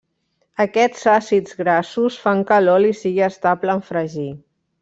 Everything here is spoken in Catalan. Aquests àcids grassos fan que l'oli sigui estable en fregir.